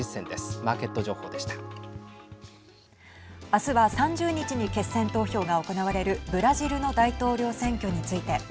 明日は３０日に決選投票が行われるブラジルの大統領選挙について。